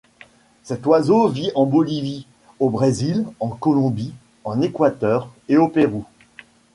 Cet oiseau vit en Bolivie, au Brésil, en Colombie, en Équateur et au Pérou.